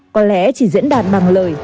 có lẽ chỉ diễn đạt bằng lời